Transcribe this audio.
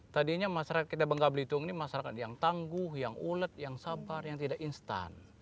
tadinya masyarakat kita bangga belitung ini masyarakat yang tangguh yang ulet yang sabar yang tidak instan